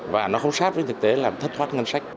và nó không sát với thực tế làm thất thoát ngân sách